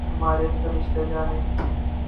ہمارے فرشتے جانیں۔